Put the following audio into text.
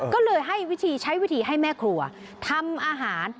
ก็เลยใช้วิธีให้แม่ครัวทำอาหาร